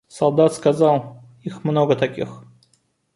Солдат сказал: их много таких.